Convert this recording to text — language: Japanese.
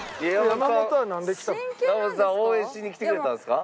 山本さんは応援しに来てくれたんですか？